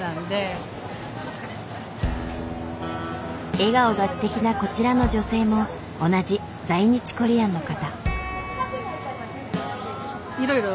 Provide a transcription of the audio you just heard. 笑顔がすてきなこちらの女性も同じ在日コリアンの方。